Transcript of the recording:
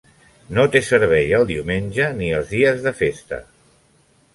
No té servei el diumenge ni els dies de festa.